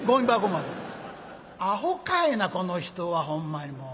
「アホかいなこの人はほんまにもう。